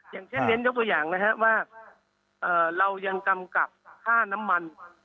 อย่างเช่นเน้นยกตัวอย่างนะครับว่าเรายังกำกับค่าน้ำมัน